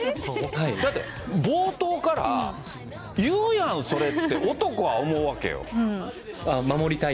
だって、冒頭から、言うやん、それって、男は思うわけよ。